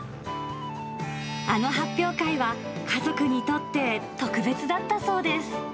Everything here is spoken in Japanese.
あの発表会は、家族にとって特別だったそうです。